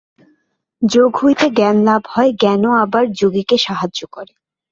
যোগ হইতে জ্ঞান লাভ হয়, জ্ঞানও আবার যোগীকে সাহায্য করে।